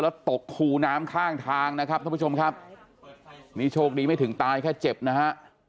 แล้วตกคูน้ำข้างทางนะครับท่านผู้ชมครับนี่โชคดีไม่ถึงตายแค่เจ็บนะฮะ